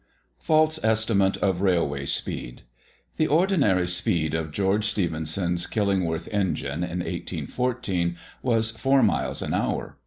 FALSE ESTIMATE OF RAILWAY SPEED. The ordinary speed of George Stephenson's Killingworth engine, in 1814, was four miles an hour.